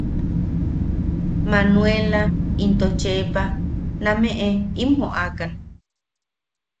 Manueela into Chepa nameʼe im joʼakan.